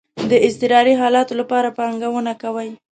د اضطراری حالاتو لپاره پانګونه کوئ؟